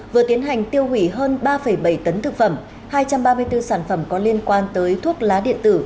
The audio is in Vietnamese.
vừa tiến hành tiêu hủy hơn ba bảy tấn thực phẩm hai trăm ba mươi bốn sản phẩm có liên quan tới thuốc lá điện tử